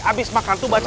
habis makan tuh baca doa